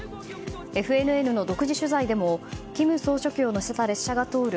ＦＮＮの独自取材でも金総書記を乗せた列車が通る